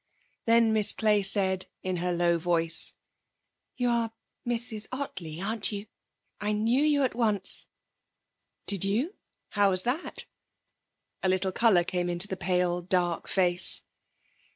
Then Miss Clay said, in her low voice: 'You are Mrs Ottley, aren't you? I knew you at once.' 'Did you? How was that?' A little colour came into the pale, dark face.